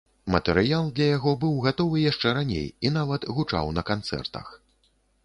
Матэрыял для яго быў гатовы яшчэ раней і, нават, гучаў на канцэртах.